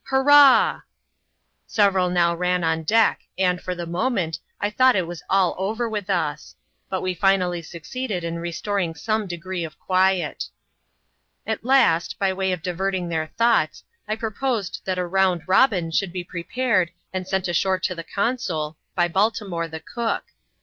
" Hurrah !" Several now ran on deck, and, for the moment, I thought it was all over with us; but we finally succeeded in restoring some degree of quiet. At last, by way of diverting their thoughts, I proposed that a *^ Bound Bobin" should be prepared and sent ashore to the consul, by Baltimore, the cook.